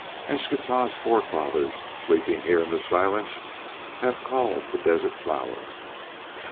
Eschtah's forefathers, sleeping here in the silence, have called the Desert Flower."